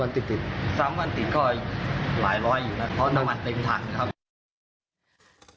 ติดติด๓วันติดก็หลายร้อยอยู่แล้วเพราะน้ำมันเต็มถังครับ